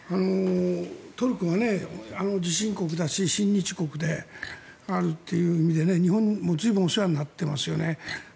トルコは地震国で親日国であるという意味で日本も随分お世話になっていますよね。